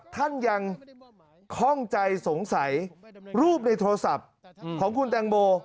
ท่านยังข้องใจสงสัยรูปในโทรศัพท์ของคุณแตงโม